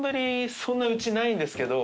そんなうちないんですけど。